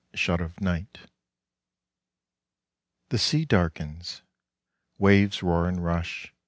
SHUT OF NIGHT The sea darkens. Waves roar and rush.